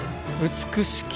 美しき